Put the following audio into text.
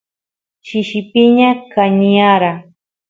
shishi piña kaniyara